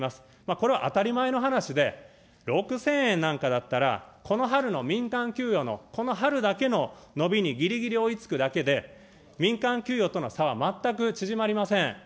これは当たり前の話で、６０００円なんかだったら、この春の民間給与の、この春だけの、伸びにぎりぎり追いつくだけで、民間給与との差は全く縮まりません。